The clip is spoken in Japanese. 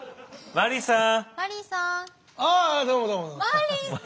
マリーさん！